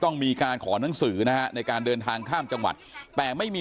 ต้องมีการขอหนังสือนะฮะในการเดินทางข้ามจังหวัดแต่ไม่มี